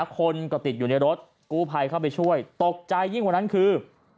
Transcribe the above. คนก็ติดอยู่ในรถกู้ภัยเข้าไปช่วยตกใจยิ่งกว่านั้นคือ